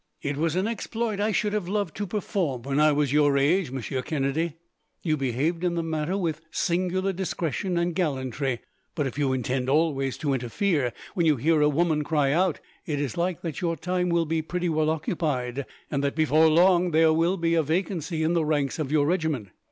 "It was an exploit I should have loved to perform, when I was your age, Monsieur Kennedy. You behaved in the matter with singular discretion and gallantry; but, if you intend always to interfere, when you hear a woman cry out, it is like that your time will be pretty well occupied; and that, before long, there will be a vacancy in the ranks of your regiment.